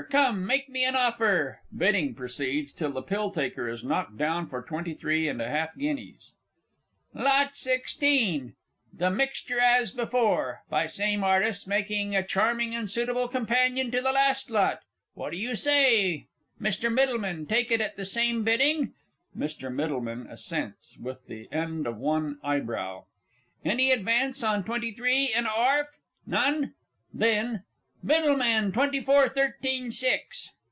Come, make me an offer. (Bidding proceeds till the "Pill taker" is knocked down for twenty three and a half guineas.) Lot 16, "The Mixture as Before," by same artist make a charming and suitable companion to the last lot. What do you say, MR. MIDDLEMAN take it at the same bidding? (Mr. M. assents, with the end of one eyebrow.) Any advance on twenty three and a 'arf? None? Then, MIDDLEMAN, Twenty four, thirteen, six.